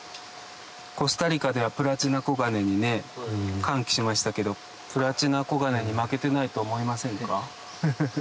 コスタリカではプラチナコガネに歓喜しましたけどプラチナコガネに負けてないと思いませんか？